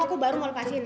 aku baru ngelepasin